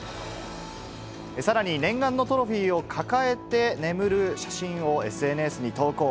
さらに念願のトロフィーを抱えて眠る写真をＳＮＳに投稿。